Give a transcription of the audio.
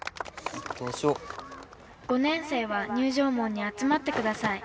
「５年生は入場門に集まってください」。